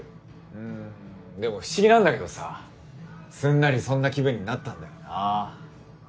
うんでも不思議なんだけどさすんなりそんな気分になったんだよな。